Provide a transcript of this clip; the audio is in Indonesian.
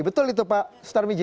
betul itu pak sutar miji